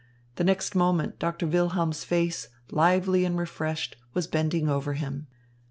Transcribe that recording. The next moment Doctor Wilhelm's face, lively and refreshed, was bending over him.